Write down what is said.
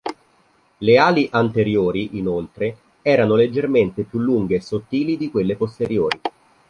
Le ali anteriori, inoltre, erano leggermente più lunghe e sottili di quelle posteriori.